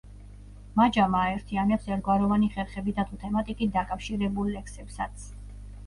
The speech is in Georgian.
მაჯამა აერთიანებს ერთგვაროვანი ხერხებითა თუ თემატიკით დაკავშირებულ ლექსებსაც.